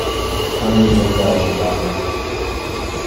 Hundreds of dead and dying.